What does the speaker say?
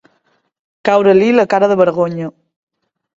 Caure-li la cara de vergonya.